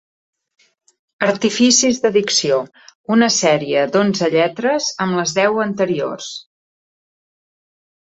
Artificis d'addició una sèrie de onze lletres amb les deu anteriors.